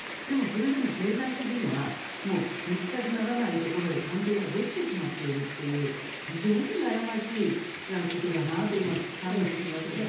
でも、経済的にはもう抜き差しならないところで関係ができてしまっているという非常に悩ましいことだなと今考えていましたけど。